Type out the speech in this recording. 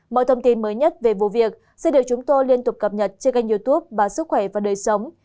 mọi thông tin mới nhất về vụ việc sẽ được chúng tôi liên tục cập nhật trên kênh youtube sức khỏe và đời sống